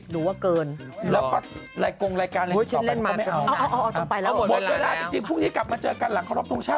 เหมือนว่าเขาเล่นเรื่องนี้ปุ๊บก็ว่า